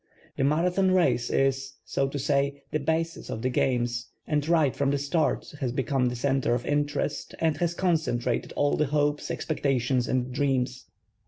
The Marathon race is, so to say, the basis cf the games and right from the start lias become the center of interest and has concentrated all the hopes, expectations and dreams.